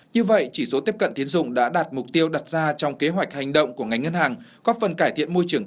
như vậy chỉ số tiếp cận tiến dụng đã đạt mục tiêu đặt ra trong kế hoạch hành động của ngành ngân hàng góp phần cải thiện môi trường